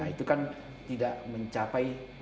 itu kan tidak mencapai